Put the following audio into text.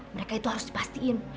mereka itu harus dipastiin